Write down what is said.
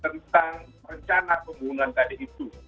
tentang rencana pembunuhan tadi itu